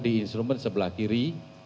di instrument sebelah kiri